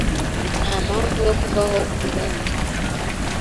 Nta mpamvu yo kubaho ukundi.